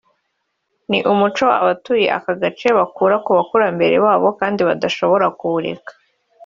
ni umuco abatuye aka gace bakura ku bakurambere babo kandi ngo badashobora kureka